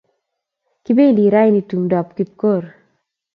Kipendi raini tumdap Kipkorir